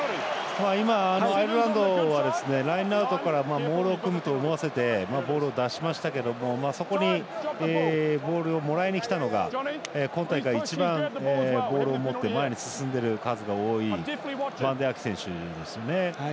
今、アイルランドはラインアウトからモールを組むと思わせてボールを出しましたけどそこにボールをもらいにきたのが今大会一番ボールを持って前に進んでいる数が多いバンディー・アキ選手ですよね。